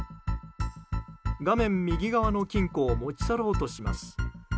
画面右側の金庫を持ち去ろうとします。